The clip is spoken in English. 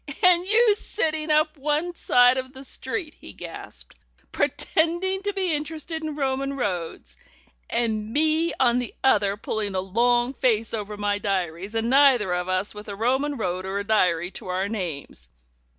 "And you sitting up one side of the street," he gasped, "pretending to be interested in Roman roads, and me on the other pulling a long face over my diaries, and neither of us with a Roman road or a diary to our names.